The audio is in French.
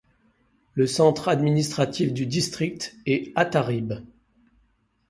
Le centre administratif du district est Atarib.